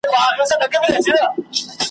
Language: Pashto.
په هر پوځ کي برتۍ سوي یو پلټن یو ,